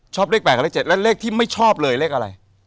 เลข๘กับเลข๗และเลขที่ไม่ชอบเลยเลขอะไร